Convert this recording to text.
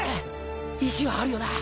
息はあるよな？